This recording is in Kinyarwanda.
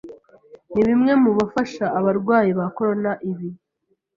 nibimwe mubafasha abarwayi ba corona ibi